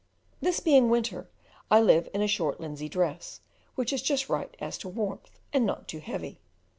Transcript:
This being winter, I live in a short linsey dress, which is just right as to warmth, and not heavy.